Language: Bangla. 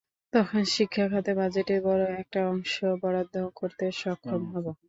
তখন শিক্ষা খাতে বাজেটের বড় একটা অংশ বরাদ্দ করতে সক্ষম হব।